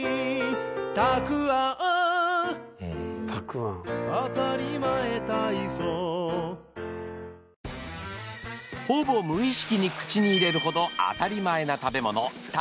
あたりまえ体操ほぼ無意識に口に入れるほど当たり前な食べ物。